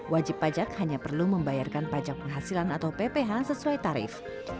wajib pajak hanya perlu membayarkan pajak penghasilan atau pph sesuai tarif